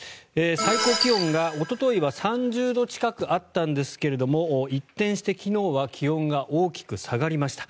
最高気温が、おとといは３０度近くあったんですが一転して昨日は気温が大きく下がりました。